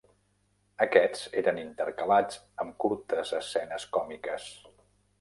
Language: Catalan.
Aquest eren intercalats amb curtes escenes còmiques.